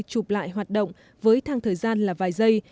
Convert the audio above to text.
chụp lại hoạt động với thang thời gian là vài giây